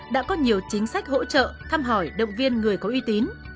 đã có nhiều chính sách hỗ trợ thăm hỏi động viên người có uy tín